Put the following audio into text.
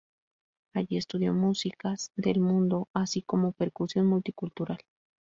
Allí estudió músicas del mundo así como percusión multicultural.